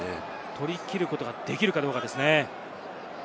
取り切ることができるかどうかですね。